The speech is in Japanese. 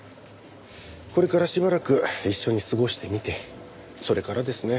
これからしばらく一緒に過ごしてみてそれからですね